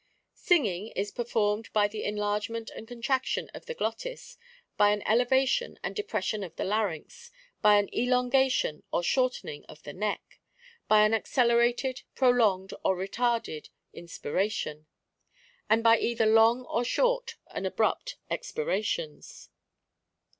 "Singing is performed by the enlargement and contraction of the glottis, by an elevation and depression of the larynx, by an elongation or shortening of the neck ; by an accelerated, prolonged or retarded inspira tion ; and by either long or short and abrupt expirations.